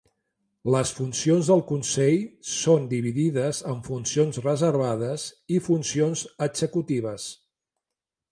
Les funcions del consell són dividides en funcions reservades i funcions executives.